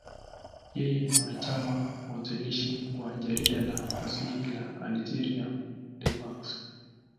Yeye ni mwanachama mwanzilishi wa jarida la fasihi la Algeria, L'Ivrescq.